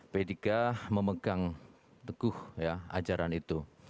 petiga memegang teguh ajaran itu